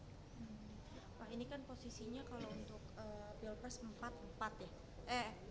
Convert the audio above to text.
pak ini kan posisinya kalau untuk pilpres empat empat ya